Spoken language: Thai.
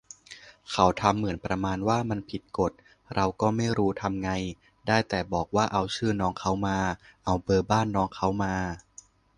เขาทำเหมือนประมาณว่ามันผิดกฎ เราก็ไม่รู้ทำไง ได้แต่บอกว่าเอาชื่อน้องเค้ามา เอาเบอร์บ้านน้องเค้ามา